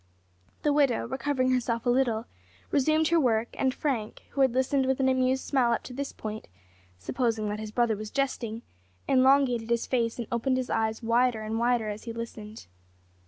The widow, recovering herself a little, resumed her work, and Frank, who had listened with an amused smile up to this point supposing that his brother was jesting elongated his face and opened his eyes wider and wider as he listened.